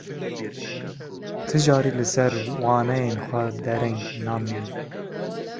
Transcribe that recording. Ti carî li ser waneyên xwe dereng namîne.